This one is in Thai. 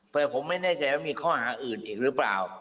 แต่ผมไม่แน่ใจว่ามีข้อหาอื่นอีกหรือเปล่า